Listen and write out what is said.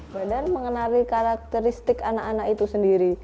badan mengenali karakteristik anak anak itu sendiri